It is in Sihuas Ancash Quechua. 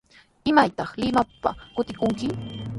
¿Imaytaq Limapa kutikunki?